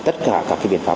tất cả các biện pháp